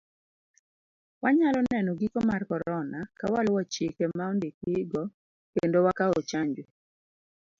Wanyalo neno giko mar korona kawaluwo chike ma ondiki go kendo wakawo chanjo .